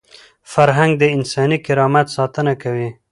فرهنګ د انساني کرامت ساتنه کوي.